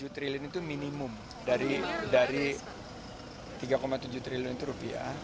tujuh triliun itu minimum dari tiga tujuh triliun itu rupiah